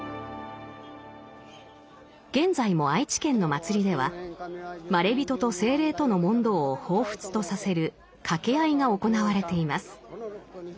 現在も愛知県の祭りではまれびとと精霊との問答を彷彿とさせる掛け合いが行われています。